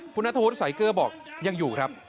คุณนัทธวุฒิสายเกลือบอกยังอยู่ครับ